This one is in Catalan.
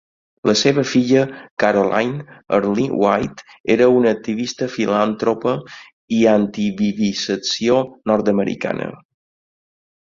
La seva filla Caroline Earle White era una activista filantropa i antivivisecció nord-americana.